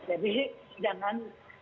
kami mengatakan kami ini vdo jawa